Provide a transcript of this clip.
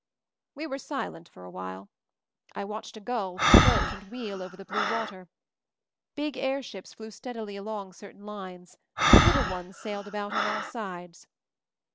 We were silent for a while. I watched a gull float and wheel over the blue water. Big airships flew steadily along certain lines. Little ones sailed about on all sides.